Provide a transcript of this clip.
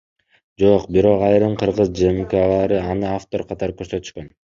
Жок, бирок айрым кыргыз ЖМКлары аны автор катары көрсөтүшкөн.